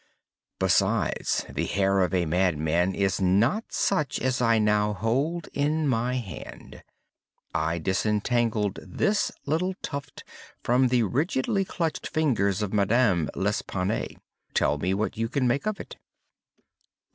Besides, the hair of a madman is not such as I now hold in my hand. I disentangled this little tuft from the rigidly clutched fingers of Madame L'Espanaye. Tell me what you can make of it."